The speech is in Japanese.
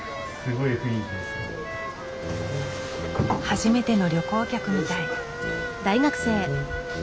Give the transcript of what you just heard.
初めての旅行客みたい。